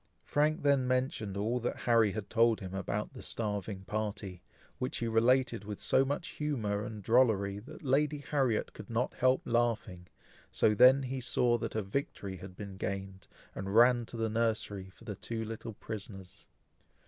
Frank then mentioned all that Harry had told him about the starving party, which he related with so much humour and drollery, that Lady Harriet could not help laughing; so then he saw that a victory had been gained, and ran to the nursery for the two little prisoners.